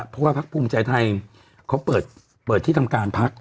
เพราะว่าพักภูมิใจไทยเขาเปิดที่ทำการพัก